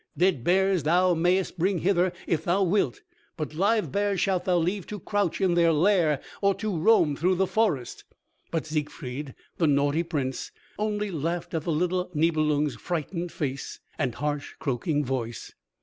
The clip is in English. Dead bears thou mayest bring hither if thou wilt, but live bears shalt thou leave to crouch in their lair or to roam through the forest." But Siegfried, the naughty Prince, only laughed at the little Nibelung's frightened face and harsh, croaking voice.